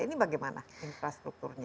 ini bagaimana infrastrukturnya